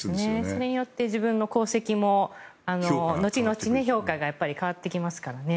それによって自分の功績も後々、評価が変わってきますからね。